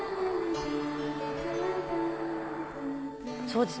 「そうです。